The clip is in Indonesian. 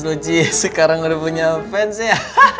luji sekarang udah punya fans ya